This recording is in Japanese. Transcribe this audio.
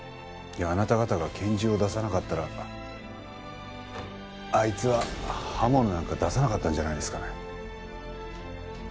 あなた方が拳銃を出さなかったらあいつは刃物なんか出さなかったんじゃないですかね。